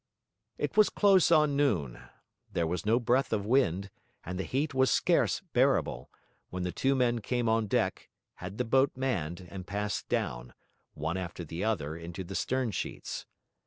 It was close on noon, there was no breath of wind, and the heat was scarce bearable, when the two men came on deck, had the boat manned, and passed down, one after another, into the stern sheets.